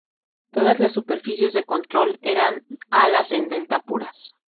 Todas las superficies de control eran alas en delta puras.